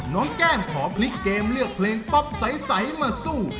แก้มขอพลิกเกมเลือกเพลงป๊อปใสมาสู้